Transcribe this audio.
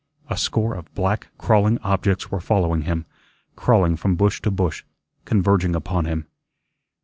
A score of black, crawling objects were following him, crawling from bush to bush, converging upon him.